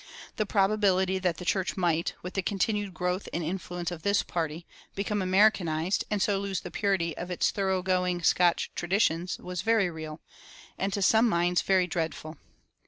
The probability that the church might, with the continued growth and influence of this party, become Americanized and so lose the purity of its thoroughgoing Scotch traditions was very real, and to some minds very dreadful.